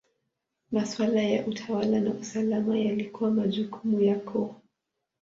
Maswala ya utawala na usalama yalikuwa majukumu ya koo.